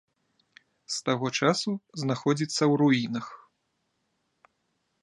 З таго часу знаходзіцца ў руінах.